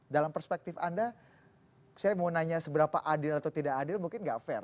dalam perspektif anda saya mau nanya seberapa adil atau tidak adil mungkin nggak fair